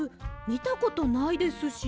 みたことないですし。